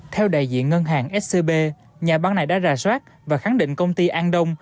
theo đại diện ngân hàng scb nhà bán này đã rà soát và khẳng định công ty an đông